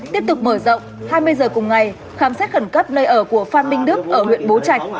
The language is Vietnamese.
tiếp tục mở rộng hai mươi giờ cùng ngày khám xét khẩn cấp nơi ở của phan minh đức ở huyện bố trạch